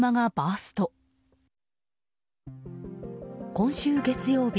今週月曜日